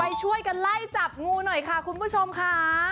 ไปช่วยกันไล่จับงูหน่อยค่ะคุณผู้ชมค่ะ